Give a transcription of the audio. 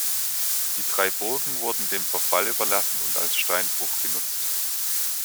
Die drei Burgen wurden dem Verfall überlassen und als Steinbruch genutzt.